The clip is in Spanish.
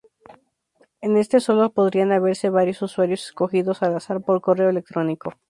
En este sólo podrían haber varios usuarios escogidos al azar por correo electrónico.